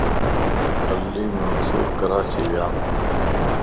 علي اور منصور ڪراچي ويان